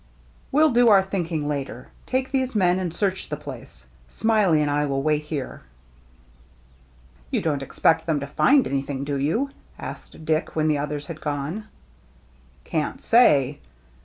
" We*ll do our thinking later. Take these men and search the place. Smiley and I will wait here." *'You don't expect them to find anything, do you?" asked Dick, when the others had gone. "Can't say.